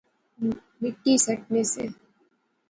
مٹی سٹنے سے